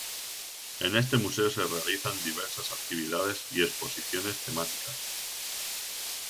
En este museo se realizan diversas actividades y exposiciones temáticas.